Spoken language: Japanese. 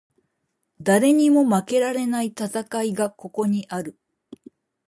誰にも負けられない戦いがここにある